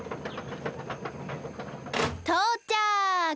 とうちゃく！